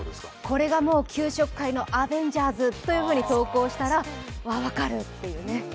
これが給食界のアベンジャーズというふうに投稿したら分かるっていうね。